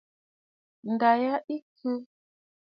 Ǹda ya ɨ khɨ.